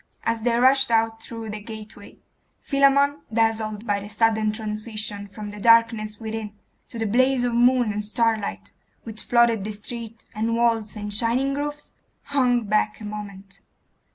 As they rushed out through the gateway, Philammon, dazzled by the sudden transition from the darkness within to the blaze of moon and starlight which flooded the street, and walls, and shining roofs, hung back a moment.